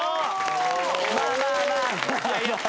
まあまあまあまあ。